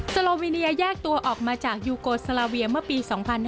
โลวิเนียแยกตัวออกมาจากยูโกสลาเวียเมื่อปี๒๕๕๙